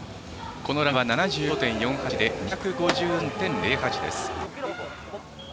このラウンドは７５．４８で２５３．０８です。